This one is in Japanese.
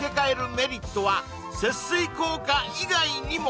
メリットは節水効果以外にも！